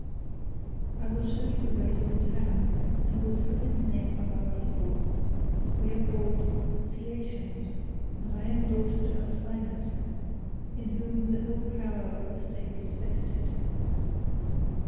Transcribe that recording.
I will show you the way to the town, and will tell you the name of our people; we are called Phaeacians, and I am daughter to Alcinous, in whom the whole power of the state is vested."